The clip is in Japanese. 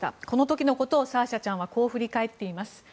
この時のことをサーシャちゃんはこう振り返っています。